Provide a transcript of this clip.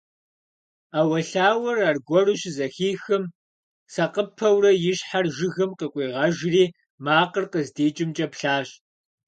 Ӏэуэлъауэр аргуэру щызэхихым, сакъыпэурэ и щхьэр жыгым къыкъуигъэжри макъыр къыздикӏымкӏэ плъащ.